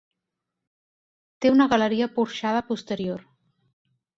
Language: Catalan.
Té una galeria porxada posterior.